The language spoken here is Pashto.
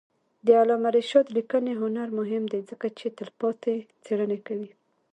د علامه رشاد لیکنی هنر مهم دی ځکه چې تلپاتې څېړنې کوي.